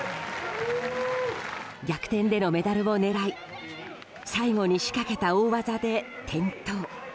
逆転でのメダルを狙い最後に仕掛けた大技で転倒。